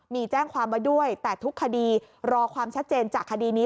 มีแจ้งความไว้ด้วยแต่ทุกคดีรอความชัดเจนจากคดีนี้